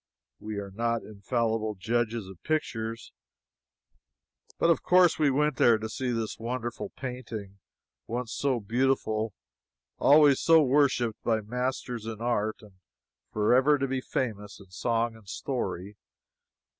We are not infallible judges of pictures, but of course we went there to see this wonderful painting, once so beautiful, always so worshipped by masters in art, and forever to be famous in song and story.